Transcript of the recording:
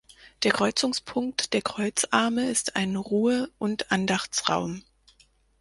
Der Kreuzungspunkt der Kreuzarme ist ein Ruhe- und Andachtsraum.